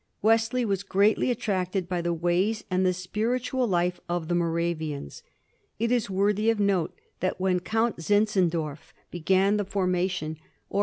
Wesley was greatly attracted by the ways and the spiritual life of the Moravians. It is worthy of note that when Count Zinzendorf began the formation or res 1788.